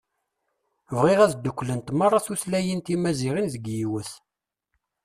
Bɣi ad dduklent meṛṛa tutlayin timaziɣen deg yiwet.